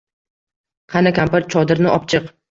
Qani, kampir, chodirni opchiq.